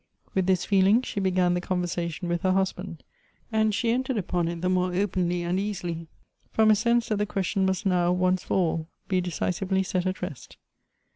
With this feeling she began the conversation with her husband ; and she entered upon it the more openly and easily, from a sense that the question must now, once for all, be deci sively set at rest.